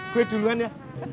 gue duluan ya